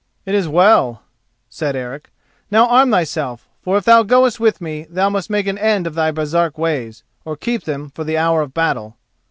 "It is well," said Eric; "now arm thyself, for if thou goest with me thou must make an end of thy Baresark ways, or keep them for the hour of battle."